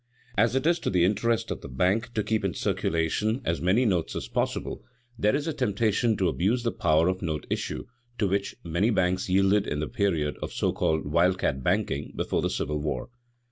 As it is to the interest of the bank to keep in circulation as many notes as possible, there is a temptation to abuse the power of note issue, to which many banks yielded in the period of so called "wild cat banking" before the Civil War.